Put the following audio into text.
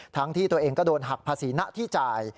ที่ตัวเองก็โดนหักภาษีหน้าที่จ่าย